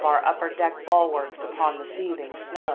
our upper deck bulwarks upon the seething snow